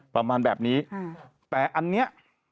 ประมาณแบบนี้แต่อันนี้